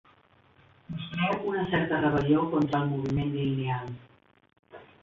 Mostreu una cert rebel·lió contra el moviment lineal.